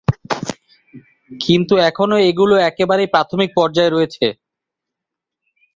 কিন্তু এখনো এগুলো একেবারেই প্রাথমিক পর্যায়ে রয়েছে।